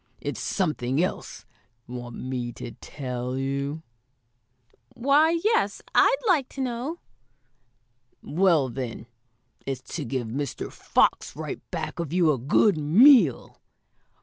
It's something else. Want me to tell you?" "Why, yes, I'd like to know." "Well, then, it's to give Mr. Fox right back of you a good meal."